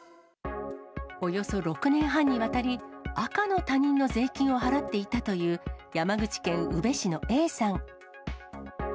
およそ６年半にわたり、赤の他人の税金を払っていたという、山口県宇部市のＡさん。